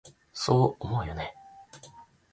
そう思うよね？